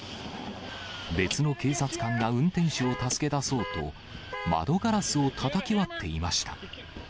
別の警察官が運転手を助け出そうと、窓ガラスをたたき割っていました。